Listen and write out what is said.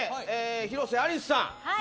広瀬アリスさん